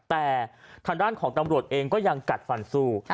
แต่ทางด้านของตำรวจเองก็ยังกัดฟันสู้